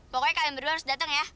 pokoknya kalian berdua harus datang ya